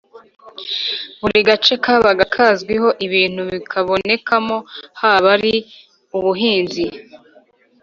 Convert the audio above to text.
Buri gace kabaga kazwiho ibintu bikabonekamo haba ari ubuhinzi,